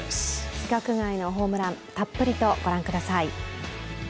規格外のホームランたっぷりとご覧ください。